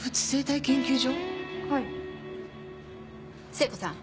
聖子さん